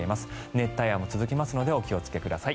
熱帯夜も続きますのでお気をつけください。